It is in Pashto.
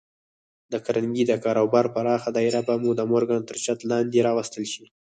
د کارنګي د کاروبار پراخه دايره به د مورګان تر چت لاندې راوستل شي.